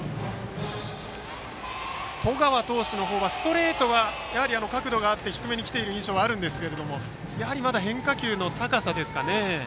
十川投手の方はストレートはやはり角度があって低めに来ている印象はあるんですがやはりまだ変化球の高さですか。